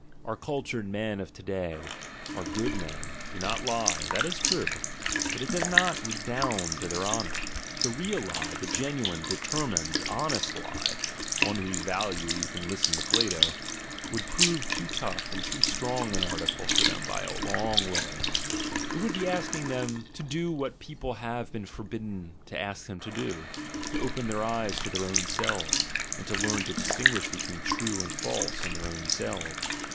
Our cultured men of to day, our "good" men, do not lie — that is true; but it doe? not redound to their honour! The real lie, the gen uine, determined, "honest" lie (on whose value you can listen to Plato) would prove too tough and strong an article for them by a long way; it would be asking them to do what people have been forbidden to ask them to do, to open their eyes to their own selves, and to learn to distinguish between "true" and "false" in their own selves.